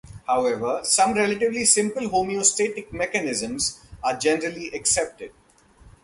However, some relatively simple homeostatic mechanisms are generally accepted.